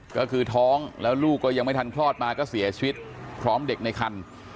ก็คือท้องแล้วลูกก็ยังไม่ทันคลอดมาก็เสียชีวิตพร้อมเด็กในคัน